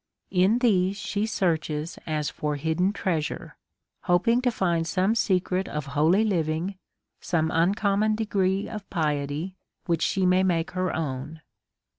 In these she searches as for hidden treasure, hoping to find some secret of holy living, sonic un common degree of piety, which she may make her own.